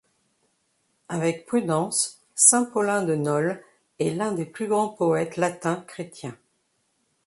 Avec Prudence, saint Paulin de Nole est l'un des plus grands poètes latins chrétiens.